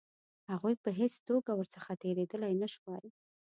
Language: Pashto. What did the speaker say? هغوی په هېڅ توګه ورڅخه تېرېدلای نه شوای.